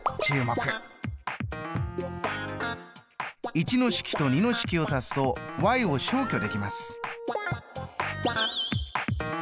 １の式と２の式を足すとを消去できます。